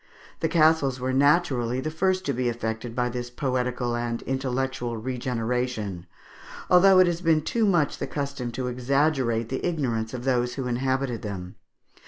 The castles were naturally the first to be affected by this poetical and intellectual regeneration, although it has been too much the custom to exaggerate the ignorance of those who inhabited them.